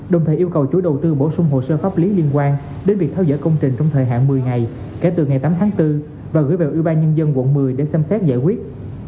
đồng thời yêu cầu chủ đầu tư bổ sung hồ sơ pháp lý liên quan đến việc theo dõi công trình trong thời hạn một mươi ngày kể từ ngày tám tháng bốn và gửi về ủy ban nhân dân quận một mươi để xem xét giải quyết